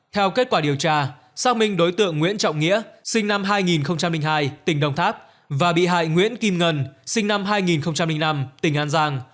theo kết quả điều tra xác minh đối tượng nguyễn trọng nghĩa sinh năm hai nghìn hai tỉnh đồng tháp và bị hại nguyễn kim ngân sinh năm hai nghìn năm tỉnh an giang